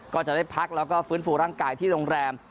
ก็จะได้พักแล้วก็ฟื้นฟูร่างกายที่โรงแรม